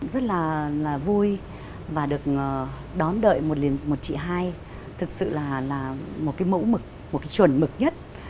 rất là vui và được đón đợi một chị hai thực sự là một cái mẫu mực một cái chuẩn mực nhất